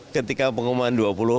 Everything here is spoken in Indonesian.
ketika pengumuman dua puluh